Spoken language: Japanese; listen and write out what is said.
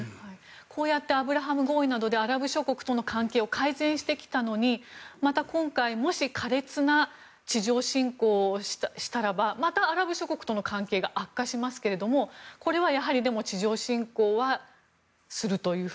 こうやってアブラハム合意などでアラブ諸国との関係を改善してきたのに、また今回もし苛烈な地上侵攻をしたらばまたアラブ諸国との関係が悪化しますがこれはやはり、でも地上侵攻はするというふうに。